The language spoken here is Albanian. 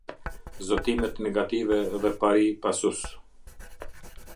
Zotimet negative dhe pari pasus.